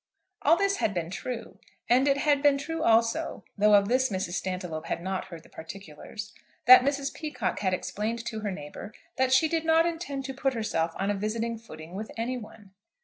All this had been true, and it had been true also, though of this Mrs. Stantiloup had not heard the particulars, that Mrs. Peacocke had explained to her neighbour that she did not intend to put herself on a visiting footing with any one.